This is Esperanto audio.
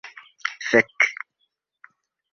Fek'...